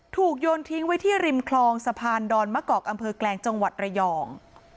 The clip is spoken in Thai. โยนทิ้งไว้ที่ริมคลองสะพานดอนมะกอกอำเภอแกลงจังหวัดระยอง